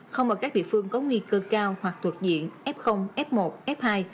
không ở các địa phương có nguy cơ cao hoặc thuộc diện f f một f hai